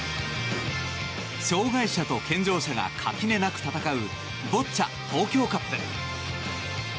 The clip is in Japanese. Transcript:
障害者と健常者が垣根なく戦うボッチャ東京カップ。